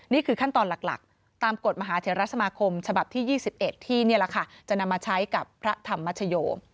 นี่คือขั้นตอนหลักตามกฎมหาเทรสมาคมฉบับที่๒๑ที่นี่แหละค่ะจะนำมาใช้กับพระธรรมชโย